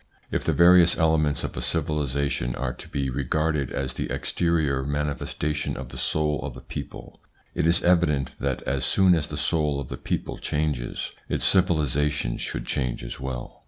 If the various elements of a civilisation are to be regarded as the exterior manifestation of the soul of a people, it is evident that as soon as the soul of the people changes, its civilisation should change as well.